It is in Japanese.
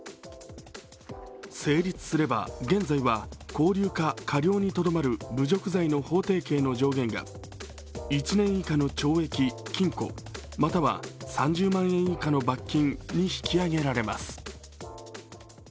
成立すれば、現在は拘留か科料にとどまる侮辱罪の法定刑の上限が１年以下の懲役・禁錮または３０万円以下の罰金に引き上げられます。